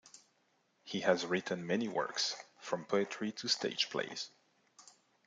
He has written many works, from poetry to stage plays.